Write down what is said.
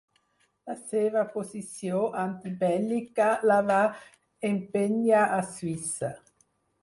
La seva posició antibèl·lica la va empènyer a Suïssa.